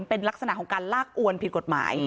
เป็นลักษณะของการลากอวนผิดกฎหมาย